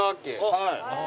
はい。